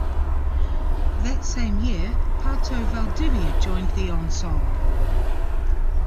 That same year Pato Valdivia joined the ensemble.